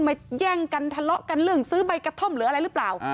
แย่งกันทะเลาะกันเรื่องซื้อใบกระท่อมหรืออะไรหรือเปล่า